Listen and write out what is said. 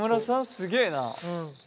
すげえな。